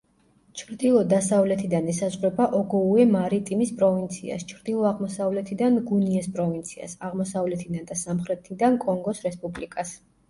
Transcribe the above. ჩრდილო-დასავლეთიდან ესაზღვრება ოგოუე-მარიტიმის პროვინციას, ჩრდილო-აღმოსავლეთიდან ნგუნიეს პროვინციას, აღმოსავლეთიდან და სამხრეთიდან კონგოს რესპუბლიკას.